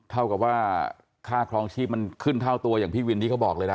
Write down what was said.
เท่ากับว่าค่าครองชีพมันขึ้นเท่าตัวอย่างพี่วินที่เขาบอกเลยล่ะ